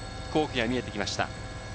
皇居が見えてきました。